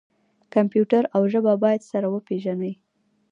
کمپیوټر او ژبه باید سره وپیژني.